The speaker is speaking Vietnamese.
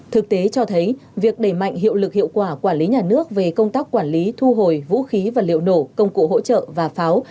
thực tế cho thấy việc đẩy mạnh hiệu lực hiệu quả quản lý nhà nước về công tác quản lý thu hồi vũ khí vật liệu nổ công cụ hỗ trợ và pháo